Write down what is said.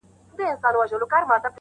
نری جوړښت، او لوړ قد